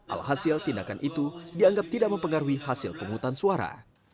alhasil tindakan itu dianggap tidak mempengaruhi hasil penghutang suara